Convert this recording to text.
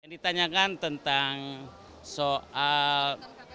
ditanyakan tentang soal